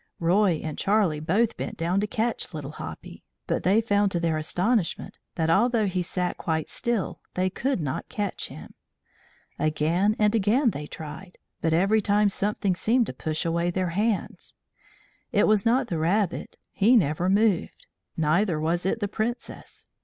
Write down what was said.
Roy and Charlie both bent down to catch Little Hoppy, but they found to their astonishment that, although he sat quite still, they could not touch him. Again and again they tried, but every time something seemed to push away their hands. It was not the rabbit he never moved. Neither was it the Princess.